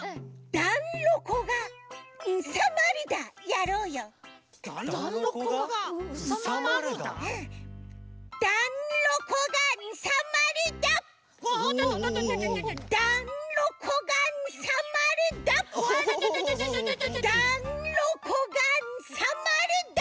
「だんろこがんさまるだ」！